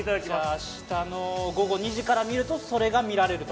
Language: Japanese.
明日の午後２時から見ると、それが見られると。